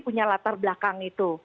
punya latar belakang itu